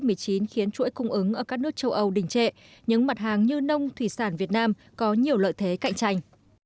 covid một mươi chín khiến chuỗi cung ứng ở các nước châu âu đình trệ những mặt hàng như nông thủy sản việt nam có nhiều lợi thế cạnh tranh